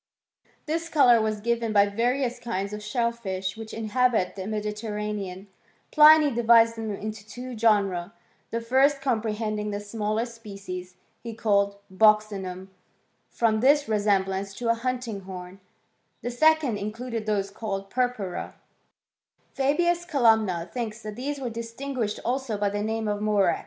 This colour was given by varioua kinds of shellfish which inhabit the Mediterranean* Pliny divides them into two genera; the first, compre hending the smaller species, he called buccinunif from their resemblance to a hunting horn ; the second, in * eluded those called purpura : Fabius Columna thinktt that these were distinguished also by the name of murex.